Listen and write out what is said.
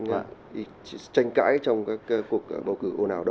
đã bị tranh cãi trong các cuộc bầu cử ồn ào đó